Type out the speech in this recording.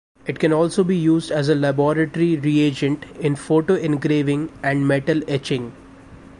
It can also be used as a laboratory reagent in photoengraving and metal etching.